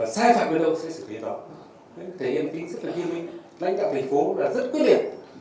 các cơ quan điều tra